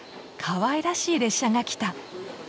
かわいらしい列車が来た。